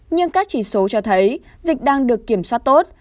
nhưng các chỉ số cho thấy dịch đang được kiểm soát tốt